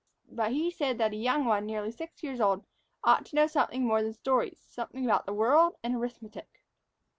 But he said that a young one nearly six years old ought to know something more than stories something about the world and arithmetic.